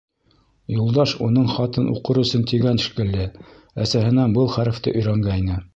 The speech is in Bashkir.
Юлдаш уның хатын уҡыр өсөн тигән шикелле, әсәһенән был хәрефте өйрәнгәйне.